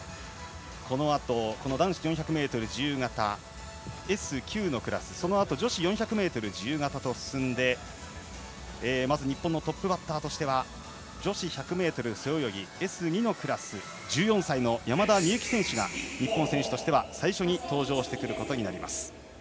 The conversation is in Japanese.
このあと男子４００ｍ自由形Ｓ９のクラスそのあと女子４００ｍ自由形と進んでまず日本のトップバッターとして女子１００ｍ背泳ぎＳ２のクラス１４歳の山田美幸選手が日本選手としては最初に登場します。